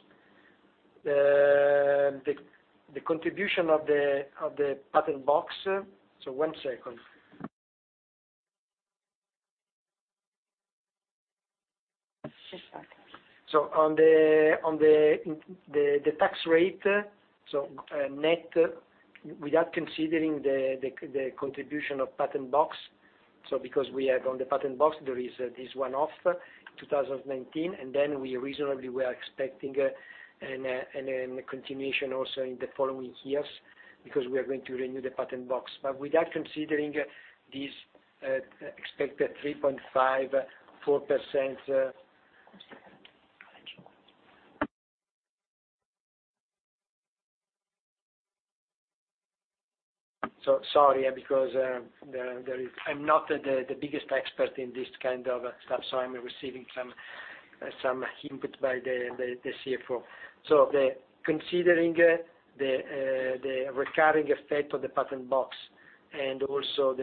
The contribution of the patent box. One second. Just a second. On the tax rate, net, without considering the contribution of patent box. Because we have on the patent box, there is this one-off 2019, and then we reasonably were expecting a continuation also in the following years because we are going to renew the patent box, without considering this expected 3.54%. One second. Sorry, because I'm not the biggest expert in this kind of stuff, I'm receiving some input by the CFO. Considering the recurring effect of the patent box and also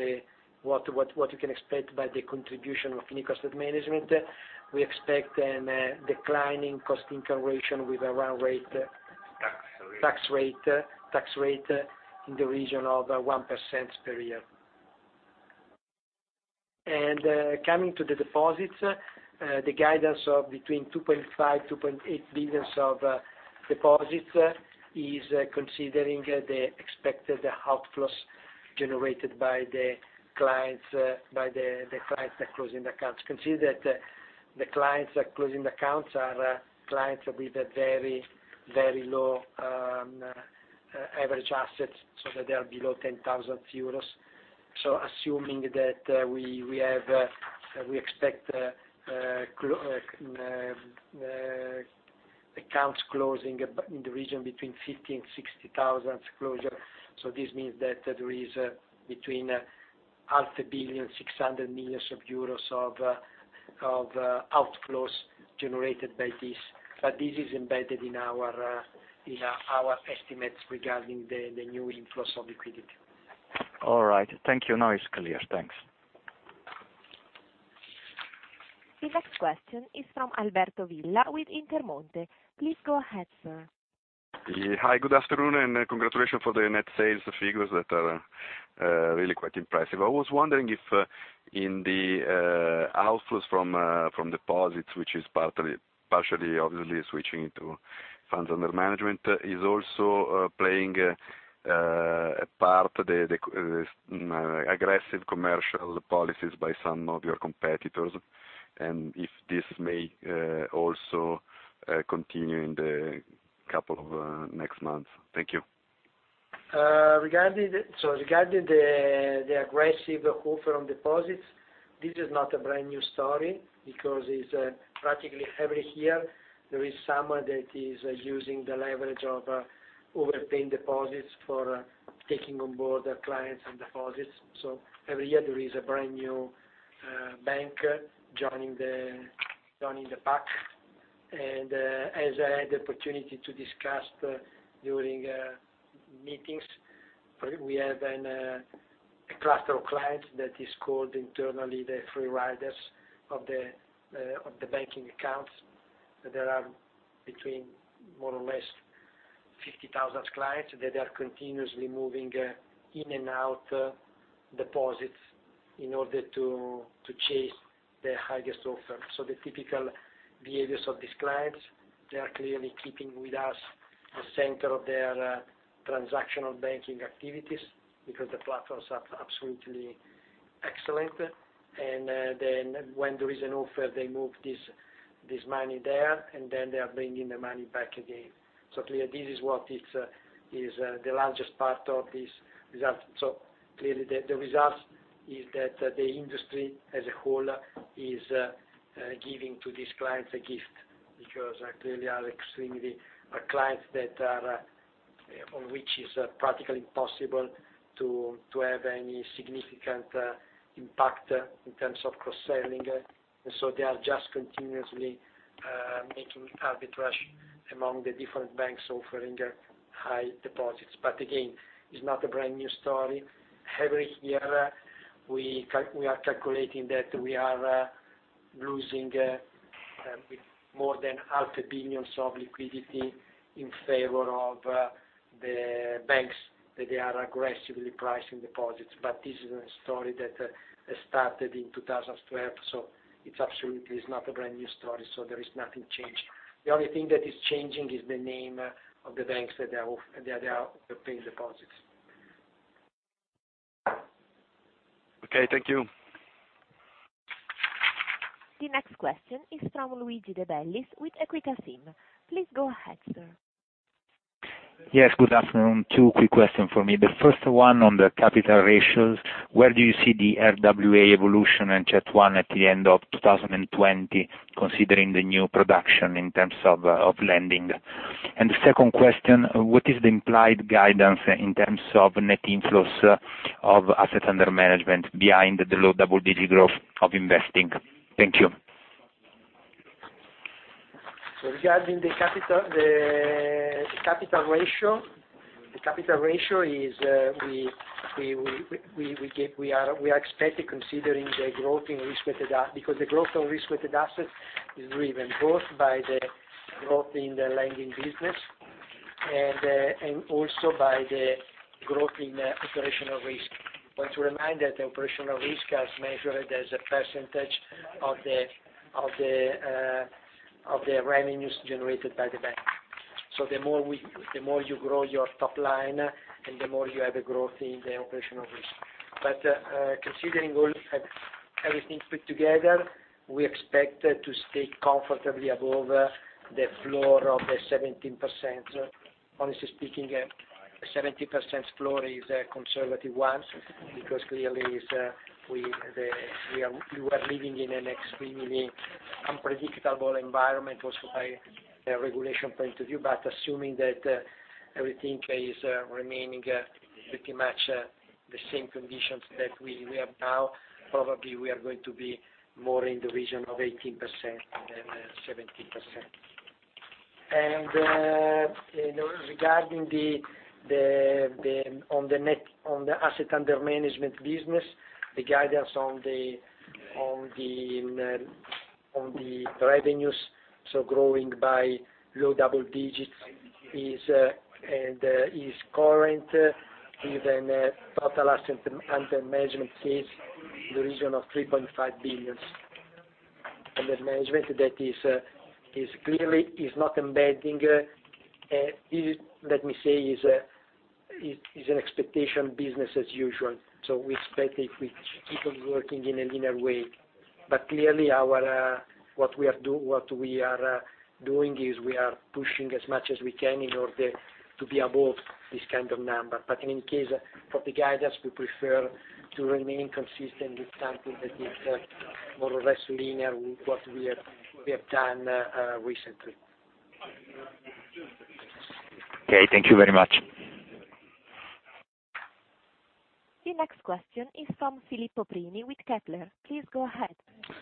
what you can expect by the contribution of Fineco Asset Management, we expect an declining cost intervation with a run rate tax rate in the region of 1% per year. Coming to the deposits, the guidance of between 2.5 billion-2.8 billion of deposits is considering the expected outflows generated by the clients that closing the accounts consider that the clients that closing the accounts are clients with a very low average assets, so that they are below 10,000 euros. Assuming that we expect accounts closing in the region between 50,000 and 60,000 closure. This means that there is between half a billion, 600 million euros of outflows generated by this. This is embedded in our estimates regarding the new inflows of liquidity. All right. Thank you. Now it's clear. Thanks. The next question is from Alberto Villa with Intermonte. Please go ahead, sir. Hi, good afternoon, congratulations for the net sales figures that are really quite impressive i was wondering if in the outflows from deposits, which is partially obviously switching into funds under management, is also playing a part the aggressive commercial policies by some of your competitors, and if this may also continue in the couple of next months. Thank you. Regarding the aggressive offer on deposits, this is not a brand new story because it's practically every year there is someone that is using the leverage of overpaying deposits for taking on board clients and deposits. Every year there is a brand new bank joining the pack. As I had the opportunity to discuss during meetings, we have a cluster of clients that is called internally the free riders of the banking accounts. There are between more or less 50,000 clients that are continuously moving in and out deposits in order to chase the highest offer so the typical behaviors of these clients, they are clearly keeping with us the center of their transactional banking activities because the platforms are absolutely excellent. Then when there is an offer, they move this money there, and then they are bringing the money back again. Clearly this is what is the largest part of this result so clearly the results is that the industry as a whole is giving to these clients a gift because they clearly are extremely clients that are, on which is practically impossible to have any significant impact in terms of cross-selling. They are just continuously making arbitrage among the different banks offering high deposits, but again- -it's not a brand new story. Every year we are calculating that we are losing more than half billions of liquidity in favor of the banks, that they are aggressively pricing deposits but this is a story that has started in 2012, so it's absolutely not a brand new story so there is nothing changed. The only thing that is changing is the name of the banks that they are paying deposits. Okay, thank you. The next question is from Luigi De Bellis with Equita SIM. Please go ahead, sir. Yes, good afternoon two quick question for me the first one on the capital ratios, where do you see the RWA evolution and CET1 at the end of 2020, considering the new production in terms of lending? The second question, what is the implied guidance in terms of net inflows of assets under management behind the low double digit growth of investing? Thank you. Regarding the capital ratio, we are expecting considering the growth in risk-weighted assets is driven both by the growth in the lending business and also by the growth in operational risk. I want to remind that operational risk as measured as a percentage of the revenues generated by the bank. The more you grow your top line and the more you have a growth in the operational risk. Considering everything put together, we expect to stay comfortably above the floor of the 17%. Honestly speaking, 17% floor is a conservative one because clearly we are living in an extremely unpredictable environment also by a regulation point of view assuming that everything is remaining pretty much the same conditions that we have now, probably we are going to be more in the region of 18% than 17%. On the asset under management business, the guidance on the revenues, growing by low double digits, is current. Even total assets under management hits the region of 3.5 billion under management that clearly is not embedding. Let me say, it is an expectation business as usual. We expect if we keep on working in a linear way. Clearly what we are doing is, we are pushing as much as we can in order to be above this kind of number in any case, for the guidance, we prefer to remain consistent with something that is more or less linear with what we have done recently. Okay. Thank you very much. The next question is from Filippo Prini with Kepler. Please go ahead.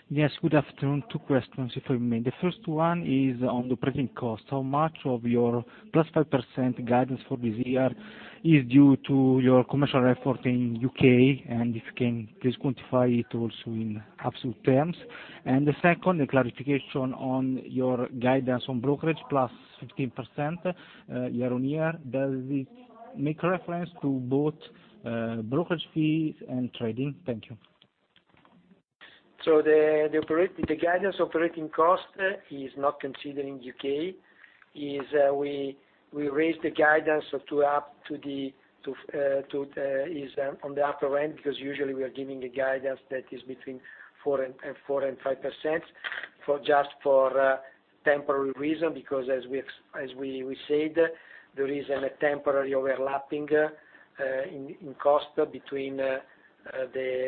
Yes, good afternoon two questions, if I may the first one is on the pricing cost, how much of your +5% guidance for this year is due to your commercial effort in U.K.? If you can, please quantify it also in absolute terms. The second, a clarification on your guidance on brokerage, +15% year-over-year does it make reference to both brokerage fees and trading? Thank you. The guidance operating cost is not considering U.K. We raised the guidance on the upper end, because usually we are giving a guidance that is between 4% and 5%, just for temporary reason, because as we said, there is a temporary overlapping in cost between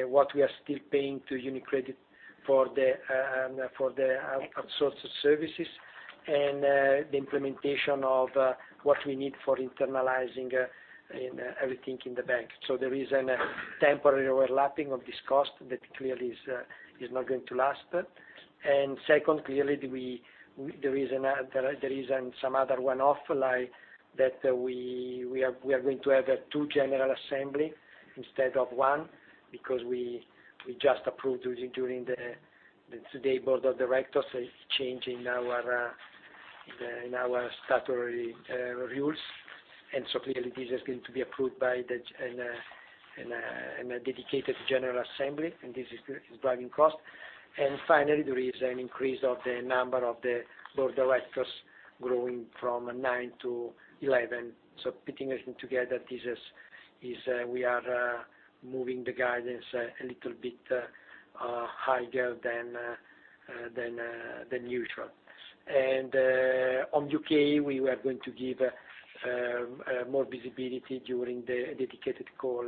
what we are still paying to UniCredit for the outsourced services and the implementation of what we need for internalizing everything in the bank. There is a temporary overlapping of this cost that clearly is not going to last. Second, clearly, there is some other one-off that we are going to have two general assembly instead of one, because we just approved during today's board of directors a change in our statutory rules. Clearly this is going to be approved by a dedicated general assembly, and this is driving cost. Finally, there is an increase of the number of the board of directors growing from nine to 11 so putting everything together, we are moving the guidance a little bit higher than usual. On U.K., we are going to give more visibility during the dedicated call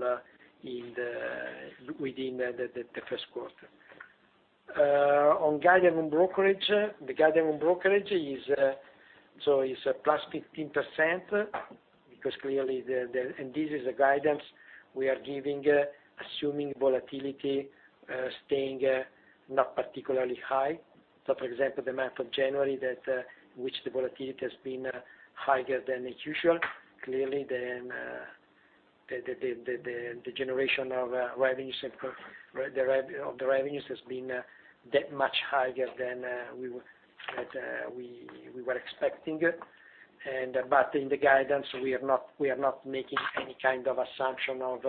within the Q1. On guidance on brokerage. The guidance on brokerage is +15%, this is a guidance we are giving, assuming volatility staying not particularly high. For example, the month of January, in which the volatility has been higher than usual. Clearly, the generation of the revenues has been that much higher than we were expecting. In the guidance, we are not making any kind of assumption of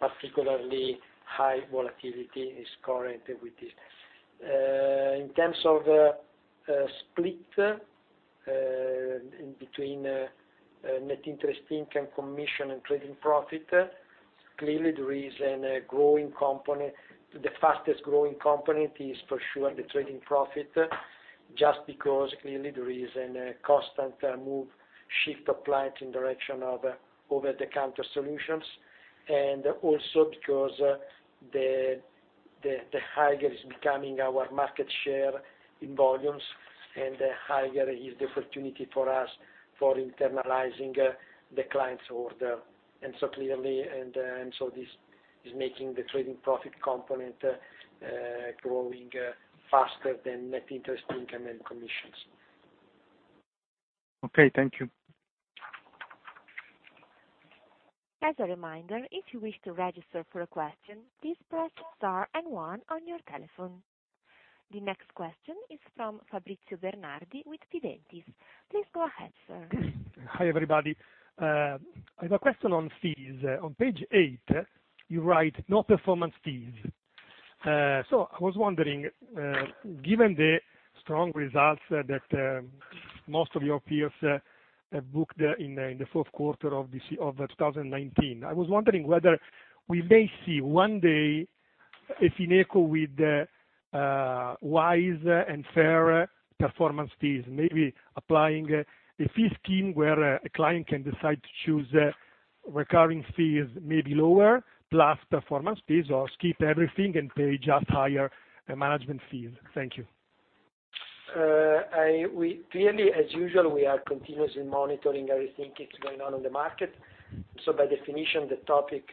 particularly high volatility is current with this. In terms of split between net interest income, commission and trading profit, clearly, the fastest growing component is for sure the trading profit, just because clearly there is a constant move, shift of clients in direction of over-the-counter solutions, and also because the higher is becoming our market share in volumes, and the higher is the opportunity for us for internalizing the client's order. Clearly, this is making the trading profit component growing faster than net interest income and commissions. Okay, thank you. As a reminder, if you wish to register for a question, please press star and one on your telephone. The next question is from Fabrizio Bernardi with Fidentiis. Please go ahead, sir. Hi, everybody. I have a question on fees on page eight, you write no performance fees. I was wondering, given the strong results that most of your peers have booked in the Q4 of 2019, I was wondering whether we may see one day a Fineco with wise and fair performance fees, maybe applying a fee scheme where a client can decide to choose recurring fees, maybe lower? plus performance fees, or skip everything and pay just higher management fees. Thank you. Clearly, as usual, we are continuously monitoring everything that's going on in the market. By definition, the topic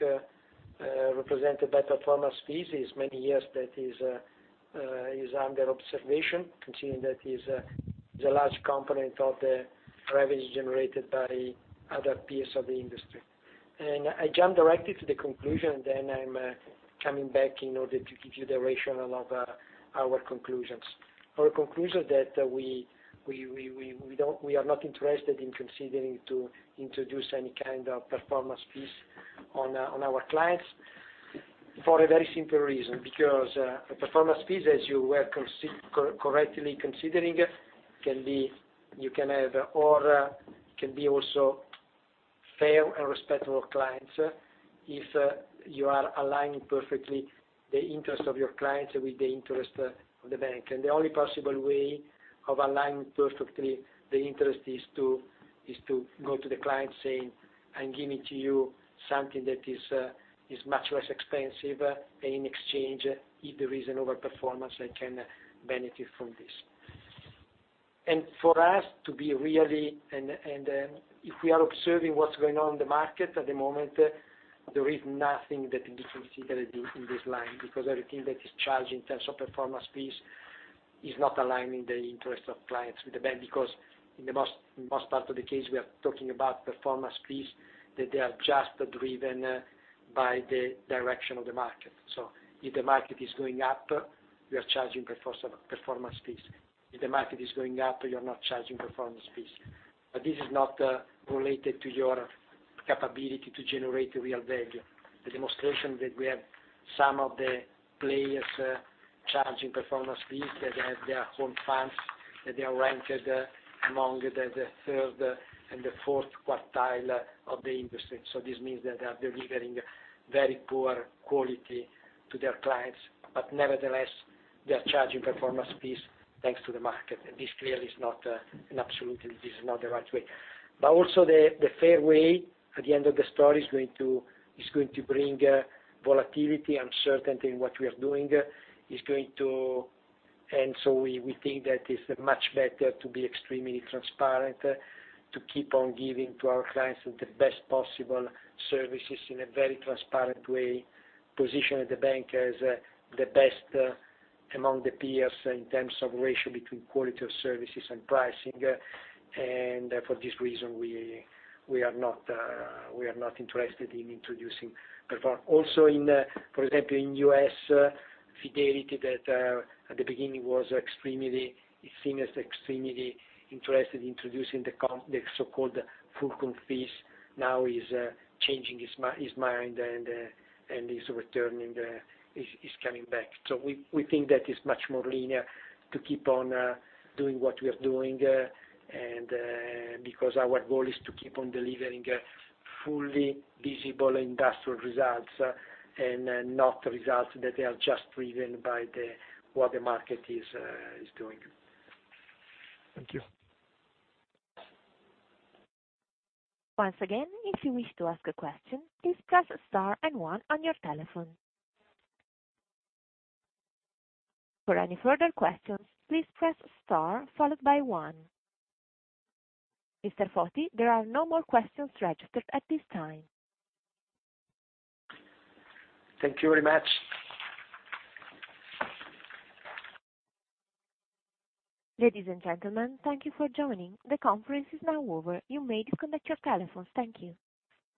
represented by performance fees is many years that is under observation, considering that is the large component of the revenues generated by other peers of the industry. I jump directly to the conclusion, then I'm coming back in order to give you the rationale of our conclusions. Our conclusion that we are not interested in considering to introduce any kind of performance fees on our clients for a very simple reason, because a performance fee, as you were correctly considering, can be also fair and respectful of clients if you are aligning perfectly the interest of your clients with the interest of the bank the only possible way of aligning perfectly the interest is to go to the client saying, "I'm giving to you something that is much less expensive, and in exchange, if there is an over-performance, I can benefit from this." For us, if we are observing what's going on in the market at the moment, there is nothing that we can consider in this line, because everything that is charged in terms of performance fees is not aligning the interest of clients with the bank because in the most part of the case, we are talking about performance fees, that they are just driven by the direction of the market. If the market is going up, we are charging performance fees. If the market is going up, you're not charging performance fees. This is not related to your capability to generate a real value. The demonstration that we have some of the players charging performance fees that have their own funds, that they are ranked among the third and the fourth quartile of the industry so this means that they are delivering very poor quality to their clients, but nevertheless, they are charging performance fees thanks to the market this clearly is not, and absolutely this is not the right way. But also the fair way, at the end of the story, is going to bring volatility, uncertainty in what we are doing. We think that it's much better to be extremely transparent, to keep on giving to our clients the best possible services in a very transparent way, position the bank as the best among the peers in terms of ratio between quality of services and pricing. For this reason, we are not interested in introducing. Also, for example, in the U.S., Fidelity Investments, that at the beginning was seen as extremely interested in introducing the so-called fulcrum fees, now is changing his mind and is coming back so we think that it's much more linear to keep on doing what we are doing, because our goal is to keep on delivering fully visible industrial results, and not results that are just driven by what the market is doing. Thank you. Once again, if you wish to ask a question, please press star and one on your telephone. For any further questions, please press star followed by one. Mr. Foti, there are no more questions registered at this time. Thank you very much. Ladies and gentlemen, thank you for joining. The conference is now over. You may disconnect your telephones. Thank you.